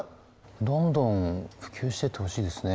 どんどん普及してってほしいですね